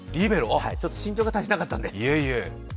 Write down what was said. ちょっと身長が足りなかったので。